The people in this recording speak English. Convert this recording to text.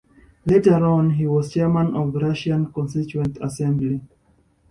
Later on, he was Chairman of the Russian Constituent Assembly.